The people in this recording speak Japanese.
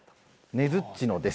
ねづっちのです。